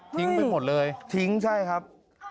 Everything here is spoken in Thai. ไปหมดเลยทิ้งใช่ครับ